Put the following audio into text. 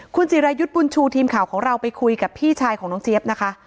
คุณจิรายุทธ์บุญชูทีมข่าวของเราไปคุยกับพี่ชายของน้องเจี๊ยบนะคะ